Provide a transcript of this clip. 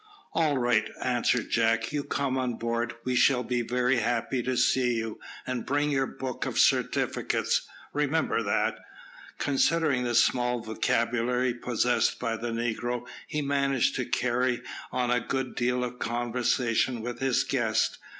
"All right," answered Jack; "you come on board; we shall be very happy to see you, and bring your book of certificates remember that." Considering the small vocabulary possessed by the negro, he managed to carry on a good deal of conversation with his guest.